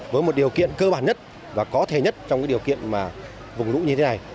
với một điều kiện cơ bản nhất và có thể nhất trong điều kiện mà vùng lũ như thế này